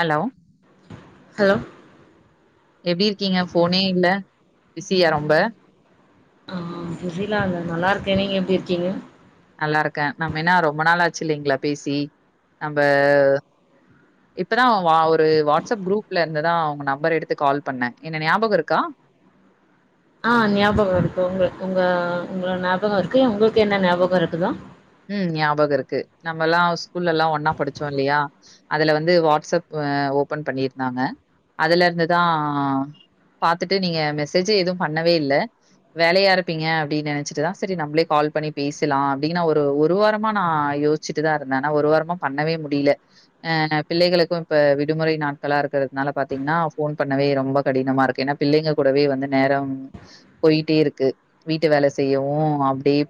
Hello hello எப்டி இருக்கீங்க ஃபோனே இல்ல பிஸியா ரொம்ப ஆ, பிஸிலா இல்ல நல்லா இருக்கே, நீங்க எப்டி இருக்கீங்க நல்லா இருக்கே நம்ம என்னா ரொம்ப நாளாச்சு இல்லைங்களா பேசி நம்ம இப்பதா ஒரு வாட்ஸ்அப் குரூப்ல இருந்துதா உங்க நம்பர் எடுத்து கால் பண்ணே என்ன ஞாபகோ இருக்கா ஆ ஞாபகோ இருக்கு உங்க உங்க உங்கள ஞாபகோ இருக்கு உங்களுக்கு என்ன ஞாபகோ இருக்குதா உம் ஞாபகோ இருக்கு நம்ம எல்லா ஸ்கூல்ல எல்லா ஒன்னா படிச்சோ இல்லையா அதுல வந்து வாட்ஸ்அப் ஓபன் பண்ணிருந்தாங்க அதுல இருந்துதா பாத்துட்டு நீங்க மெசேஜ் எதுவு பண்ணவே இல்ல வேலையா இருப்பீங்க அப்டின்னு நெனைச்சிட்டுதா சரி நம்மளே கால் பண்ணி பேசலா அப்டின்னா ஒரு ஒரு ஒரு வாரமா நா யோசிச்சுட்டுதா இருந்தே ஆனா ஒரு வாரமா பண்ணவே முடியல ஆ பிள்ளைகளுக்கு இப்ப விடுமுறை நாட்களா இருக்கிறதுனால பாத்தீங்கன்னா ஃபோன் பண்ணவே ரொம்ப கடினமா இருக்கு ஏன்னா பிள்ளைங்க கூடவே வந்து நேரோ போயிட்டே இருக்கு வீட்டு வேல செய்யவு அப்படியே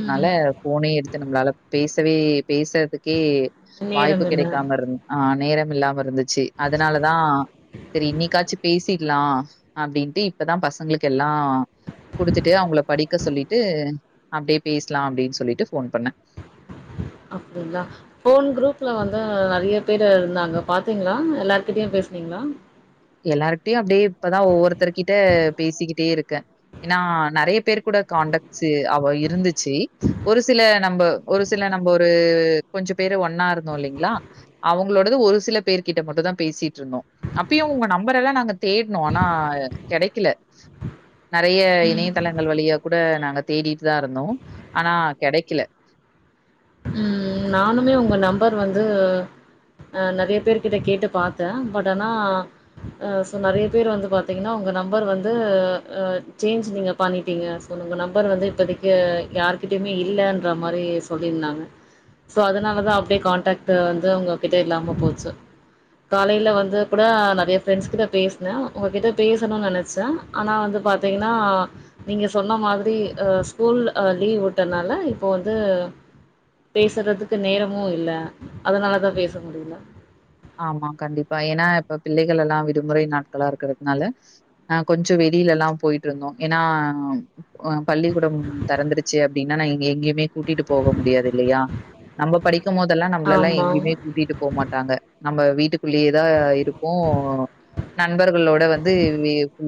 ம் ஃபோனே எடுத்து நம்பலால பேசவே பேசுறதுக்கே வாய்ப்பு நேரம் இல்ல கிடைக்காம இருந் ஆ நேரம் இல்லாம இருந்துச்சு அதனாலதா சரி இன்னைக்காச்சு பேசிடலா அப்டின்ட்டு இப்பதா பசங்களுக்கு எல்லா குடுத்துட்டு அவங்கள படிக்க சொல்லிட்டு அப்டியே பேசலா அப்டின் சொல்லிட் ட்டு ஃபோன் பண்ணே அப்டிங்ளா ஃபோன் குரூப்ல வந்து நெறைய பேரு இருந்தாங்க பாத்தீங்களா எல்லார்கிட்டயு பேசுனீங்களா எல்லார்கிட்டயு அப்டியே இப்பதா ஒவ்வொருத்தரு கிட்ட பேசிக்கிட்டே இருக்கே ஏன்னா நெறைய பேர் கூட கான்டக்ட்ஸ் அவ இருந்துச்சு ஒரு சில நம்ப ஒரு சில நம்ப ஒரு கொஞ்சோ பேரு ஒன்னா இருந்தோ இல்லைங்களா அவங்களோடது ஒரு சில பேர்கிட்ட மட்டு தா பேசிட்ருந்தோ அப் இப்பயு உங்க நம்பர் எல்லா நாங்க தேடனோ ஆனா கெடைக்கல நெறைய ம் இணையதளங்கள் வழிய கூட நாங்க தேடிட்டுதா இருந்தோ ஆனா கெடைக்கல ம் நானுமே உங்க நம்பர் வந்து அ நெறைய பேர்க கிட்ட கேட்டு பாத்தேன் பட் ஆனா சி நெறைய பேர் வந்து பாத்தீங்கன்னா உங்க நம்பர் வந்து அ ஆசேஞ்ச் நீங்க பண்ணிட்டீங்க சோ நம்பர் வந்து இப்போதைக்கு யாருகிட்டுமே இல்லைன்ற மாரி சொல்லியிருந்தாங்க சோ அதனாலதா அப்டியே கான்டாக்ட் வந்து உங்ககிட்ட இல்லாம போச்சு காலையில வந்து கூட நெறைய ப்ரெண்ட்ஸ் கிட்ட பேசினே உங்ககிட்ட பேசணும்னு நெனச்சேன ஆனா வந்து பாத்தீங்கன்னா நீங்க சொன்ன மாதிரி அ ஸ்கூல் அ லீவ் விட்டதுனால இப்போ வந்து பேசுறதுக்கு நேரமு இல்ல அதனால தான் பேச முடியல ஆமா கண்டிப்பா ஏன்னா இப்ப பிள்ளைகள்லா விடுமுறை நாட்களா இருக்கிறதுனால ஆ கொஞ்சோ வெளியில எல்லா போயிட்ருந்தோ ஏன்னா அ பள்ளிக்கூடம் தெறந்துருச்சு அப் அப்டினா எங் எங்யுமே கூட்டிட்டு போக முடியாது இல்லையா நம்ம படிக்கு போதெல்லா நம்மளெல்லா ஆமா எங்கேயுமே கூட்டிட்டு போகமாட்டாங்க நம்ப வீட்டுக்குள்ளேயே தா இருப்போ நண்பர்களோட வந்து [unintelligible] [unintelligible] ல்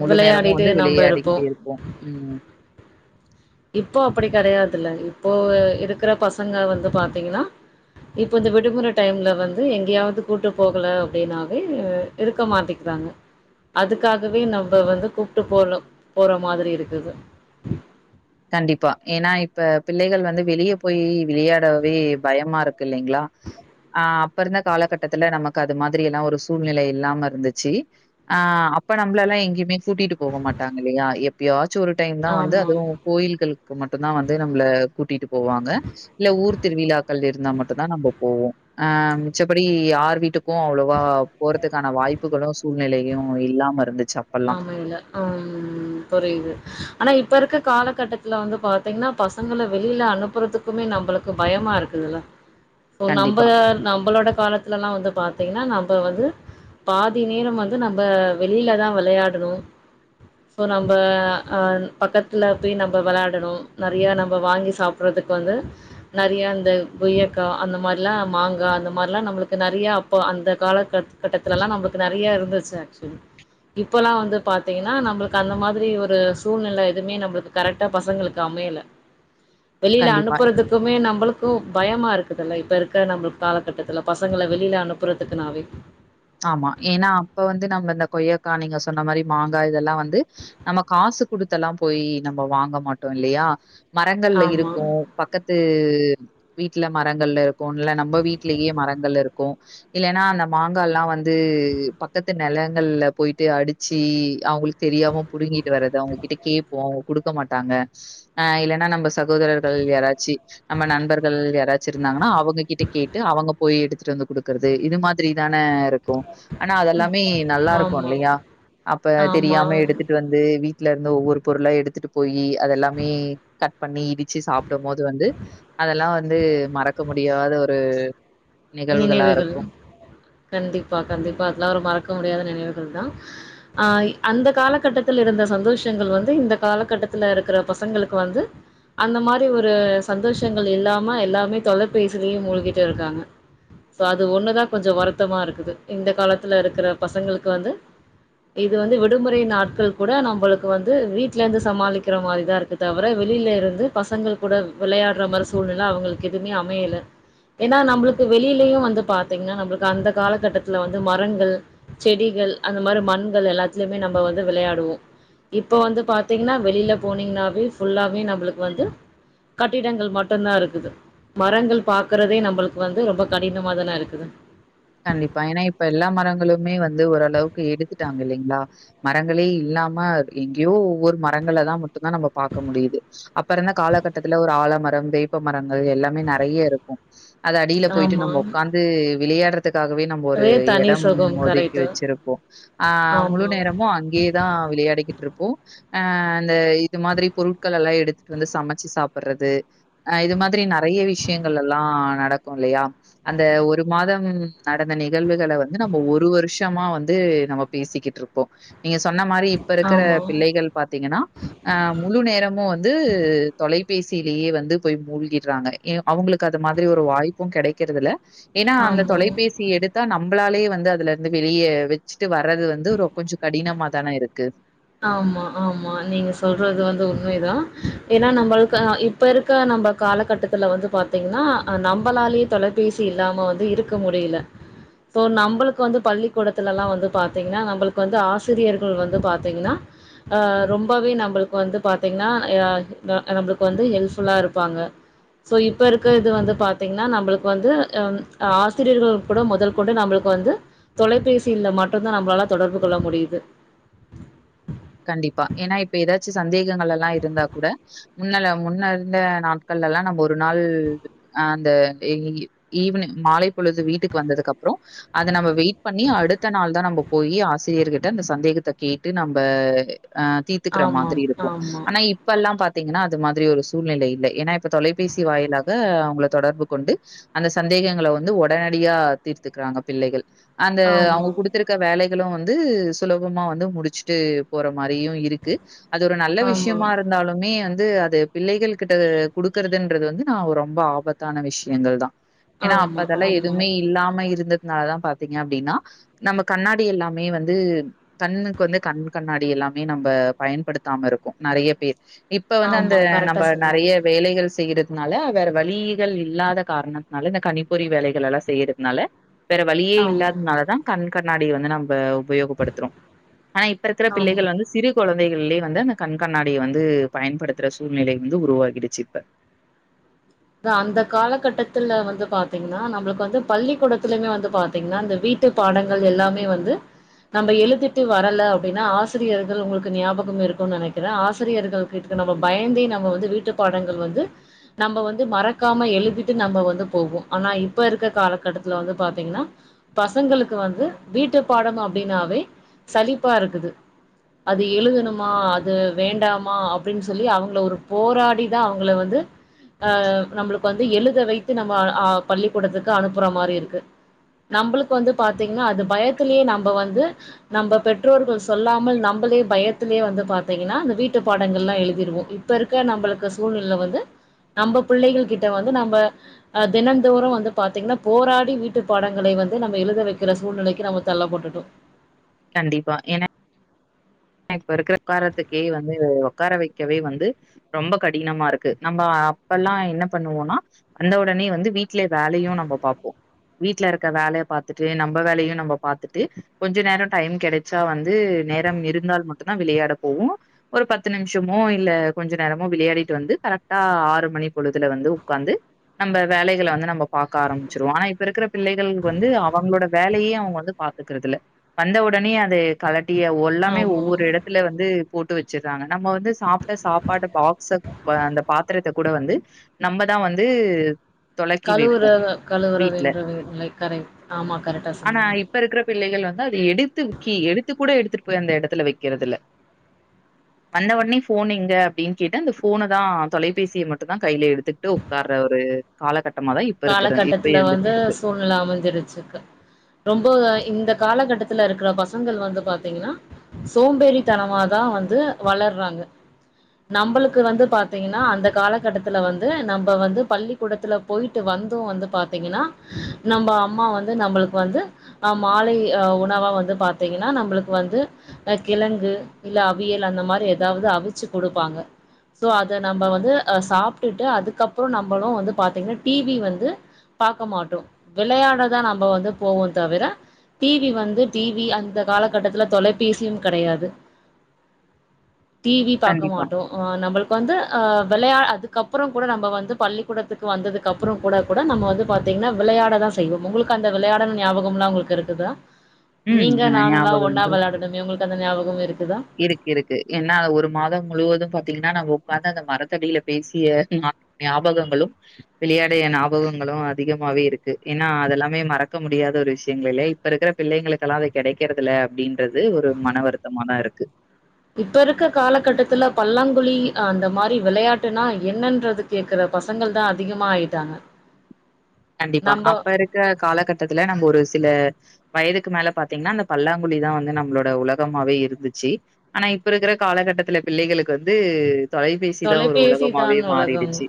முழு நேரமு விளையாடிட்டே வந்து நம்ப விளையாடிக்கிட்டே இருப்போ உம் இப்போ அப்டி கெடையாதுல்ல இப்போ இருக்கிற பசங்க வந்து பாத்தீங்கன்னா இப்ப இந்த விடுமுறை டைம்ல வந்து எங்கேயாவது கூப்பிட்டு போகல அப்டினாவே இருக்க மாட்டிக்கிறாங்க அதுக்காகவே நம்ம வந்து கூப்ட்டு போற போற மாதிரி இருக்குது கண்டிப்பா ஏன்னா இப்ப பிள்ளைகள் வந்து வெளிய போய் விளையாடவே பயமாருக் குல்லைங்களா ஆ அப் ப்ப இருந்த காலகட்டத்துல நமக்கு அது மாதிரி எல்லாம் ஒரு சூழ்நிலை இல்லாம இருந்துச்சி ஆ அப்ப நம்புள எல்லாம் எங்கேயுமே கூட்டிட்டு போக மாட்டாங்க இல்லையா எப்பயா ஸ் சு ஒரு டைம் தான் வந்து ஆமா அதுவும் க்கள்க்கு மட்டும் தான் வந்து நம்புள கூட்டிட்டு போவாங்க இல்ல ஊர் திருவிழாக்கள் இருந்தா மட்டும்தான் நம்போ போவோம் அ மிச்சப்படி யார் வீட்டுக் க்கும் அவ்ளோவா போறதுக்கான வாய்ப்புகளும் சு சூழ்நிலையும் இல்லாம இருந்துச் ஆமா இல்ல ஆ ம் புரியுது ஆனா இப்ப இருக்கற காலகட்டத்துல வந்து பாத்தீங்கன்னா பசங்கள வெளியில அனுப்புறதுக்குமே நம்புளுக்கு பயமா இருக்குதுல்ல சோ நம்ப கண்டிப்பா, நம்பளோட காலத்துலல்லா வந்து பாத்தீங்கன்னா நம் இப்ப வந்து பாதி நேரம் வந்து நம்ப வெளில தா விளையாடணும் சோ நம்ப அ ன் பக்கத்துல போய் நம்ப விளையாடணும் நறைய நம்ப வாங்கி சாப்புட்றதுக்கு வந்து நறைய இந்த கொயக்காய் அந்த மாரில்லா மாங்கா அந்த மாரில்லா நம்புளுக்கு நறையா அப்போ அந்த கால கட் கட்டத்துலல்லா நம்புளுக்கு நறையா இருந்துச்சு ஆக்சுவலி இப்பல்லா வந்து பாத்தீங்கன்னா நம்புளுக்கு அந்த மாதிரி ஒரு சூழ்நில எதுவுமே நம்புளுக்கு கரெக்டா பசங்களுக்கு அமையல வெளியில கண்டிப்பா. அனுப்புறதுக்குமே நம்மளுக்கு பயமா இருக் ட்டத்துல இப்ப இருக்க நம்ம காலகட்டத்துல பசங்கள வெளியில அனுப்புறதுக்குனாவே ஆமா ஏன்னா அப்ப வந்து நம்ம இந்த கொய்யக்கா நீங்க சொன்ன மாரி மாங்கா இதெல்லா வந்து நம்ம காசு குடுத்து எல்லா போய் நம்ம வாங்க மாட்டோ இல்லையா மரங்கள்ல ஆமா இருக்கு பக்கத்து த்து வீட்ல மரங்கள்ல இருக்கு இல்ல நம்ம வீட்லயே மரங்கள்ல இருக்கு இல்லைன்னா அந்த மா ங்கால்லா வந்து பக்கத்து நிலங்கள்ல போயிட்டு அடிச்சு அவங்களுக்கு தெரியாம புடுங்கிட்டு வரறது அவங்ககிட்ட கேட்போ அவங்க குடுக்க மாட்டாங்க அ இல்லன்னா நம்ம சகோதரர்கள் யாராச்சி நம்ம நண்பர்கள் யாராச்சி இருந்தாங்கனா அவங்க கிட்ட கேட்டு அவங்க போய் எடுத்துட்டு வந்து குடுக்கறது இது மாதிரி தான இருக் கு ஆனா அது எல்லாமே நல்லா இருக்கு ஆமா இல்லையா அப்ப ஆமா தெரியாம எடுத்துட்டு வந்து வீ ட்ல இருந்து ஒவ்வொரு பொருளா எடுத்துட்டு போயி அதெல்லாமே கட் பண்ணி இடிச்சு சாப்பிடும் போது வந்து அதெல்லா வந்து மறக்க மு டியாத ஒரு நிகழ்வுகளா நினைவுகள் இருக்கு கண்டிப்பா கண்டிப்பா அதெல்லா ஒரு மறக்க முடியாத நினைவுகள்தா அ அந்த காலகட்டத்துல இருந்த சந்தோஷங்கள் வந்து இந்த காலகட்டத்துல இருக்கிற பசங்களுக்கு வந்து அந்த மாரி ஒரு சந்தோஷங்கள் இல்லாம எல்லாமே தொலைபேசிலயே மூழ்கிட்டு இருக்காங்க இப்போ அது ஒண்ணுதா கொஞ்சோ வருத்தமா இருக்குது இந்த காலத்துல இருக்கிற பசங்களுக்கு வந்து இது வந்து விடுமுறை நாட்கள் கூட நம்மளுக்கு வந்து வீட்ல இருந்து சமாளிக்கிற மாரிதா இருக்கு தவிர வெளியில இருந்து பசங்கள் கூட விளையாடுற மாரி சூழ்நிலை அவங்களுக்கு எதுவுமே அமையல ஏன்னா நம்மளுக்கு இப்ப வெளியிலயு வந்து பாாத்தீங்னா நம்மளுக்கு அந்த காலகட்டத்துல வந்து மரங்கள் செடிகள் அந்த மாரி மண்கள் எல்லாத்தலயுமே நம்ம வந்து விளையாடுவோ இப்போ வந்து பாார்த்தீங்கன்னா வெளியில போனீங்கன்னாவே ஃபுல்லாவே நம்மளுக்கு வந்து கட்டிடங்கள் மட்டுந்தா இருக்குது மரங்கள் பாக்கறதே நம்மளுக் கு வந்து ரொம்ப கடினமாதான இருக்குது கண்டிப்பா ஏன்னா இப்ப எல்லா மரங்களுமே வந்து ஓரளவுக்கு எடுத்துட்டாங்க இல்லைங்களா மரங்களே இல்லாம எங்கேயோ ஒவ்வொரு மரங்கள மட்டும்தா நம்ம பாக்க முடியுது அப்ப இருந்த காலகட்டத்துல ஒரு ஆலமரம் வேப்ப மரம் அது எல்லாமே நறைய இருக்கு அது அடியில போய்ட்டு ஆமா. நம்ம ஒக்காந்து விளையாடுறக் காகவே நம்ம ஒரு அதுவே தனி எடம் சுகம் ஒதுக்கி கரெக்ட்டு. வச்சிருப்போ ஆ முழு ஆமா, நேரமு அங்கயே தா விளையாடிக்கிட்ருப் போ ஆ அந்த இது மாதிரி பொருட்களல்லா எடுத்துட்டு வந்து சமைச்சி சாப்ட்றது ஆ இது மாதிரி நெறைய விஷயங்கள் எல்லா நடக்கு இல்லையா அந்த ஒரு மாதம் நடந்த நிகழ்வுகள வந்து நம்ம ஒரு வருஷமா வந்து நம்ம பேசிக்கிட்ருப்போ நீங்க சொன்ன மாரி இப்ப இருக்குற ஆமா. பிள்ளைகள் பாத்தீங்கன்னா ஆ முழு நேரமு வந்து தொலை பேசிலயே வந்து போய் மூழ்கிடுறாங்க ஏ அவுங்களுக்கு அது மாதிரி ஒரு வாய்ப்பு கெடைக்கிறதுல்ல ஏன்னா அந்த ஆமா. தொலை எடுத்தா நம்மளாலயே வந்து அதுல இருந்து வெளியே வச்சுட்டு வர்றது வந்து ஒரு கொஞ்சம் கடினமா தானே இருக்கு ஆமா ஆமா நீங்க சொல்றது வந்து உண்மைதான் ஏன்னா நம்மளுக்கு இப்ப இருக்க நம்ம காலகட்டத்துல வந்து பாத்தீங்கன்னா நம்மளாலேயே தொலைபேசி இல்லாம வந்து இருக்க முடியல சோ நம்மளுக்கு வந்து பள்ளிக்கூடத்துல எல்லாம் வந்து பாத்தீங்கன்னா நம்மளுக்கு வந்து ஆசிரியர்கள் வந்து பா பாத்தீங்கன்னா ஆ ரொம்பவே நம்பளுக்கு வந்து பாத்தீங்கன்னா ஆ [unintelligible] நம்பளுக்கு வந்து ஹெல்ப்ஃபுல்லா இருப்பாங்க சோ இப்ப இருக்கறது வந்து பாத்தீங்கன்னா நம்பளுக்கு வந்து ஆ ஆசிரியர்கள் கூட மொதல் கொண்டு நம்மளுக்கு வந்து தொலைபேசில மட்டு தா நம்பளால தொடர்பு கொள்ள முடியுது சந்தேகங்களெல்லா இருந்தா கூட முன்னல முன்ன இருந்த நாட்களலா நம்ம ஒரு நாள் அந்த [unintelligible] ஈவினிங் மாலை பொழுது வீட்டுக்கு வந்ததுக்கப்றோ அத நம்ம வெயிட் பண்ணி அடுத்த நாள் தா நம்ம போய் ஆசிரியர்கிட்ட அந்த சந்தேகத்த கேட்டு நம் ப ஆ தீத்துக்கிறமாதிரி ஆமாம், இருக்கு ஆமா, ஆனா இப்பெல்லா பாத் பா்த்தீங்கன்னா அது மாதிரி ஒரு சூழ்நிலை இல்லை ஏன்னா இப்ப தொலைபேசி வாயிலாக அவங்களை தொடர்பு கொண்டு அந்த சந்தேகங்களை வந்து உடனடியா தீர்த்துக்கிறாங்க பிள்ளைகள் அந்த ஆமா, அவங்க குடுத்துருக்க வேலை [unintelligible] வந்து சுலபமா வந்து முடிச்சு விட்டு போற மாரியும் இருக்கு அது ஒரு நல்ல ஆமா, விஷயமா இருந்தாலுமே வந்து வந்து அது பிள்ளைகள் கிட்ட கொடுக்குறதுன்றது வந்து நான் ரொம்ப ஆபத்தான விஷயங்கள் தான் ஏனா அப்ப ஆமா, அதெல்லாம் ஆமா, எதுவுமே இல்லாம இருந்த அதனாலதான் பாத்தீங்க அப்படின்னா நம்ம கண்ணாடி எல்லாமே வந்து கண்ணுக்கு வந்து கண் கண்ணாடி எல்லாமே நம்ம பயன்படுத்தாம இருக்கும் நிறைய பேர் இப்ப வந்து அந்த ஆமா. நம்ம கரெக்டா நிறைய சொன்னீங்க. வேலைகள் செய்யற னால வேற வழிகள் இல்லாத காரணத்தினால இந்த கணிப்பொறி வேலைகள் எல்லா செய்யறதுனால வேற வழியே ஆமா, இல்லாததுனால தான் கண் கண்ணாடி வந்து நம்ம உபயோகப்படுத்துறோம் ஆனா இப்ப இருக்கிற ஆமா. பிள்ளைகள் வந்து சிறு குழ குழந்தைகள்லே வந்து அந்த கண் கண்ணாடியை வந்து பயன்படுத்துற சூழ்நிலை வந்து உருவாகிடுச்சு இப்ப அந்த காலகட்டத்துல வந்து பாத்தீங்கன்னா நம்மளுக்கு வந்து பள்ளிக்கூடத்துலயுமே வந்து பாத்தீங்கன்னா இந்த வீட்டு பாடங்கள் எல்லாமே வந்து நம்ம எழுதிட்டு வரல அப்படின்னா ஆசிரியர்கள் உங்களுக்கு ஞாபகம இருக்கும் நினைக்கிறேன் ஆசிரியர்கள் கிட்ட நம்ம பயந்தே நம்ம வந்து வீட்டு பாடங்கள் வந்து நம்ம வந்து ந்து மறக்காம எழுதிட்டு நம்ம வந்து போவோம் ஆனா இப்ப இருக்க காலகட்டத்துல வந்து பார்த்தீங்கன்னா பசங்களுக்கு வந்து வீட்டு பாடம் அப்படின்னாவே சலிப்பா இருக்குது அது எழுதணுமா அது வேண்டாமா அப்படின்னு சொல்லி அவங்கள ஒரு போராடிதான் அவங்கள வந்து அஹ் நம்மளுக்கு வந்து எழுத வைத்து நம்ம ஆஹ் பள்ளிக்கூடத்துக்கு அனுப்புற மாதிரி இருக்கு நம்மளுக்கு வந்து பாத்தீங்கன்னா அது பயத்திலேயே நம்ம வந்து நம்ம பெற்றோர்கள் சொல்லாமல் நம்மளே பயத்திலேயே வந்து பாத்தீங்கன்னா அந்த வீட்டு பாடங்கள் எல்லாம் எழுதிடுவோம் இப்ப இருக்க நம்மளுக்கு சூழ்நிலை வந்து நம்ம பிள்ளைகள் கிட்ட வந்து நம்ம அஹ் தினந்தோறம் வந்து பாத்தீங்கன்னா போராடி வீட்டு பாடங்களை வந்து நம்ம எழுத வைக்கிற சூழ்நிலைக்கு நம்ம தள்ளப்பட்டுட்டோம் கண்டிப்பா என இப்ப இருக்கிற உக்காரத்துக்கே வந்து உக்கார வைக்கவே வந்து ரொம்ப கடினமா இருக்கு நம்ம அப்பலா என்ன பண்ணுவோம்னா வந்த உடனே வந்து வீட்ல வேலையும் நம்ம பாார்ப்போம் வீட்ல இருக்கற வேலையை பாாரத்துட்டு நம்ம வேலையும் நம்ம பாாரத்துட்டு கொஞ்ச நேரம் டைம் கிடைச்சா வந்து நேரம் இருந்தால் ஒன்னா விளையாட போவோம் ஒரு பத்து நிமிஷமோ இல்ல கொஞ்ச நேரமோ விளையாடிட்டு வந்து கரெக்டா ஆறு மணி பொழுதுல வந்து உட்காந்து நம்ம வேலைகளை வந்து நம்ம பாக்க ஆரம்பிச்சிருவோம் ஆனா இப்ப இருக்கிற பிள்ளைகள் வந்து அவங்களோட வேலையே அவங்க வந்து பாத்துக்கறிறதுல வந்த உடனே அது கல ஏய் ஒல்லாமே ஆமா ஒவ்வொரு வந்து போட்டு வச்சறாங்க நம்ம வந்து சாப்பிட்ட சாப்பாடு பாக்ஸ அந்த பாத்திரத்தை கூட வந்து நம்மதான் வந்து தொலக்கி கழுவுற வைப்போம் கழுவுற வீட்லே வேண்டுற நிலை கரெக்ட் ஆமா கரெக்டா ஆனா சொன்னீங்க இப்ப இருக்கிற பிள்ளைகள் வந்து அதை எடுத்து கி எடுத்து கூட எடுத்துட் போய் அந்த எடத்துல வை வைக்கிறதில்ல வந்த ஒட்னே ஃபோன் எங்க அப்படின்னு கேட்டு அந்த ஃபோன தான் தொலைபேசியை மட்டு தான் கையில எடுத்துட்டு உட்கார்ற ஒரு காலகட்ட காலகட்டத்துல வந்து சூழ்நிலை அமைஞ்சிருச்சுக்கு ரொம்ப இந்த காலகட்டத்துல இருக்கிற பசங்கள் வந்து பாத்திங்கனா சோம்பேறித்தனமாதா வந்து வளர்றாங்க நம்பளுக்கு வந்து பாத்திங்கனா அந்த காலகட்டத்துல வந்து நம்ப வந்து பள்ளிக்கூடத்துல போயி ட்டு வந்தும் வந்து பாத்திங்கனா நம்ப அம்மா வந்து நம்மளுக்கு வந்து அ மாலை அ உணவா வந்து பாத்திங்கனா நம்பளுக்கு வந்து கிழங்கு இல்ல அவியல் அந்த மாரி ஏதாவுது அவிச்சு குடுப்பாங்க சோ அத நம்ம வந்து அ சாப்ட்டுட்டு அதுக்கப்புற நம்மளு வந்து பாத்திங்கனா டி வி வந்து பாக்க மாட்டோ வெளையாடதா நம்ப வந்து போவோ தவிர டி வி வந்து டி வி அந்த காலகட்டத்துல தொலைபேசியும் கெடையாது டி வி பாக்க கண்டிப்பா. மாட்டோ ஆ நம்மளுக்கு வந்து அ வெளையா அதுக்கப்புற கூட நம்ப வந்து பள்ளிக்கூடத்துக்கு வந்ததுக் கப்ற கூட கூட நம்ம வந்து பாத்திங்னா விளையாடதா செய்வோ உங்களுக்கு அந்த விளையாடல் ஞாபகம்லா உங்களுக்கு இருக்குதா ம் நீங்க நானெல்லா ஞாபகங்கள் ஒன்னா விளையாடணமே உங்களுக்கு அந்த ஞாபகம் இருக்குதா இருக்கு இருக்கு ஏன்னா ஒரு மாதம் முழுவதும் பாத்திங்கனா நம்ம உக்காந்து அந்த மரத்தடியில பேசிய ஞா ஞாபகங்களும் விளையாடிய ஞாபகங்களு அதிகமாவே இருக்கு ஏன்னா அதெல்லாமே மறக்க முடியாத ஒரு விஷயங்கள் இல்லை இப்ப இருக்கிற பிள்ளைகளுக்கெல்லா அது கெடைக்கறதில அப்டின்றது ஒரு மன வருத்தமாதா இருக்கு இப்ப இருக்க காலகட்டத்துல பல்லாங்குழி அந்த மாரி விளையாட்டுன்னா என்னன்றது கேக்குற பசங்கள்தா அதிகமா ஆயிட்டாங்க கண்டிப்பா நம்ப அப்ப இருக்க காலகட்டத்துல நம்ப ஒரு சில வயதுக்கு மேல பாத்திங்னா அந்த பல்லாங்குழிதா வந்து நம்மளோட உலகமாவே இருந்துச்சு ஆனா இப்ப இருக்கிற காலகட்டத்துல பிள்ளைகளுக்கு வந்து தொலைபேசிதா ஒரு தொலைபேசி தான் உலகமாவே உலகம் மாறிடுச்சி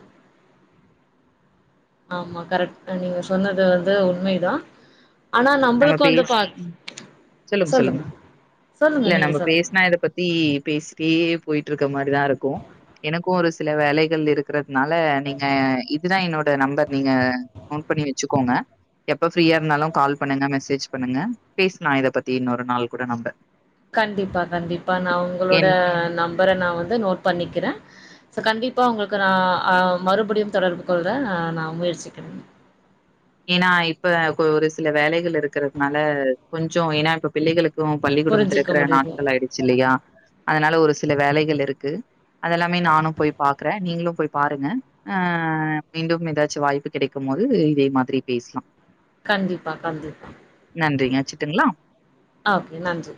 ஆமா கரெக்ட் நீங்க சொன்னது வந்து உண்மைதா நம்ம பேசி சொல்லுங்க சொல்லுங்க சொல்லுங்க இல்ல நீங்க நம்ப சொல்லுங்க பேசுனா இத பத்தி பேசிட்டே போயிட்டு இருக்க மாரிதா இருக்கு எனக்கு ஒரு சில வேலைகள் இருக்கிறதுனால நீங்க இதுதா என்னோட நம்பர் நீங்க நோட் பண்ணி வச்சுக்கோங்க எப்ப ஃப்ரீயா இருந்தாலு கால் பண்ணுங்க மெசேஜ் பண்ணுங்க பேசலா இதை பத்தி இன்னொரு நாள் கூட நம்ப கண்டிப்பா கண்டிப்பா நா உங்களோட ஏன் நம்பர நா வந்து நோட் பண்ணிக்கிற சோ கண்டிப்பா உங்களுக்கு நா ஆ மறுபடியும் தொடர்பு கொள்ற நா முயற்சிக்கிறே ஏனா இப்ப ஒரு சில வேலைகள் இருக்கறதுனால கொஞ்சோ ஏனா இப்ப பிள்ளைகளுக்கு பள்ளிக்கூடம் புரிஞ்சிக்க திறக்கிற முடியுது நாட்கள் ஆயிடுச்சு இல்லையா அதனால ஒரு சில வேலைகள் இருக்கு அதெல்லாமே நானும் போய் பாக்கற நீங்களு போய் பாருங்க ஆ மீண்டும் ஏதாச்சு வாய்ப்பு கெடைக்கும் போது இதே மா திரி பேசலா கண்டிப்பா கண்டிப்பா நன்றிங்க வெச்சுர்ட்டுங்ளா ஓகே நன்றி